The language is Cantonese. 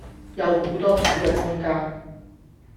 有好多討論空間